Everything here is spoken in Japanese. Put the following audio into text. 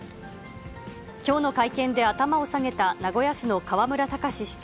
きょうの会見で頭を下げた、名古屋市の河村たかし市長。